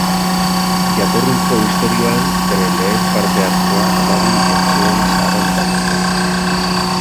Jatorrizko istorioan bere lehen parte-hartzea Hamabi Etxeen sagan da.